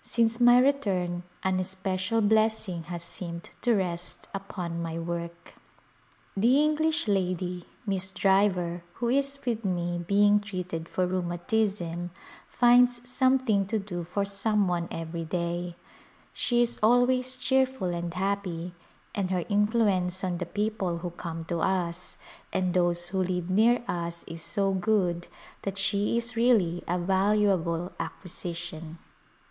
Since my return an especial blessing has seemed to rest upon my work. The English lady, Miss Driver, who is with me being treated for rheumatism, finds something to do for some one every day ; she is always cheerful and happy and her influence on the people who come to us and those who live near us is so good that she is really a valuable acquisition.